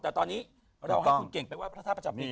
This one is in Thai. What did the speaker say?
แต่ตอนนี้เราให้คุณเก่งไปไห้พระธาตุประจำปี